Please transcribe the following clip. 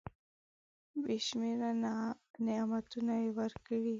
بي شمیره نعمتونه یې ورکړي .